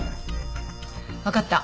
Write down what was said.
わかった。